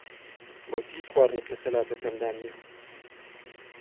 بۆچی هیچ خواردنێک لە سەلاجەکەمدا نییە؟